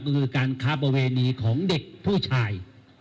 ก็คือการค้าประเวณีของเด็กผู้ชาย